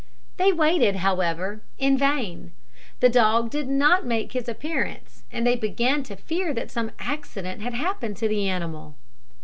They waited, however, in vain. The dog did not make his appearance, and they began to fear that some accident had happened to the animal.